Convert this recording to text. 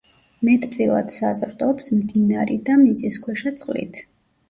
მეტწილად საზრდოობს მდნარი და მიწისქვეშა წყლით.